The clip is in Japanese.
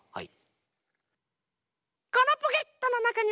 はい。